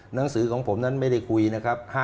หนังสือของผมนั้นไม่ได้คุยนะครับ